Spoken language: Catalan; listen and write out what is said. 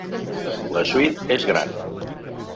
La suite és gran.